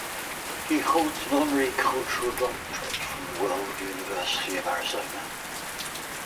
He holds an honorary Cultural Doctorate from The World University of Arizona.